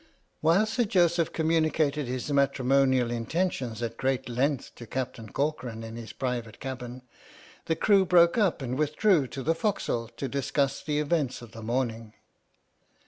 While Sir Joseph communicated his matri monial intentions at great length to Captain Corcoran in his private cabin, the crew broke up and withdrew to the forecastle to discuss the events of the morning.